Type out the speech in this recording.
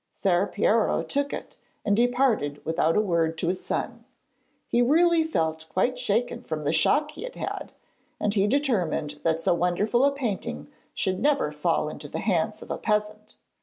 Ser Piero took it, and departed without a word to his son; he really felt quite shaken from the shock he had had, and he determined that so wonderful a painting should never fall into the hands of a peasant.